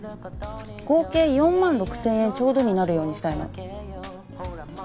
合計４万６０００円ちょうどになるようにしたいの。